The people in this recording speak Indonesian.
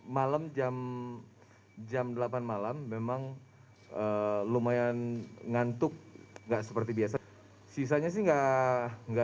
malam jam delapan malam memang lumayan ngantuk nggak seperti biasa sisanya sih enggak enggak